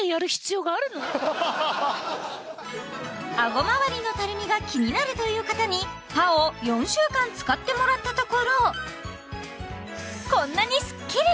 あご周りのたるみが気になるという方にＰＡＯを４週間使ってもらったところこんなにすっきり！